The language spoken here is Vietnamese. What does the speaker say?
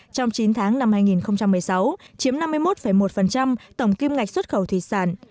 trong chín tháng năm hai nghìn một mươi sáu chiếm năm mươi một một tổng kim ngạch xuất khẩu thủy sản